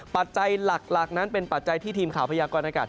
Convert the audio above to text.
ปัจจัยหลักนั้นเป็นปัจจัยที่ทีมข่าวพยากรณากาศ